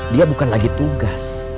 dia bukan lagi tugas